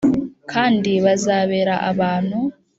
Kandi bazabera abantu